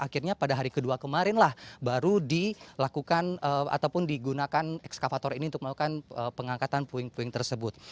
akhirnya pada hari kedua kemarinlah baru dilakukan ataupun digunakan ekskavator ini untuk melakukan pengangkatan puing puing tersebut